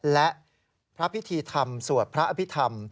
และพระอภิษฐรรมสวัสดิ์พระอภิษฐรรม